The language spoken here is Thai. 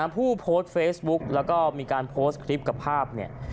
ผู้โพสเฟซบุ๊คแล้วก็มีการโพสคลิปกับภาพ